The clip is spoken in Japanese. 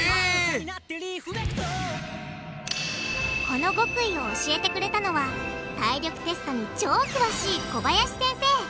この極意を教えてくれたのは体力テストに超詳しい小林先生。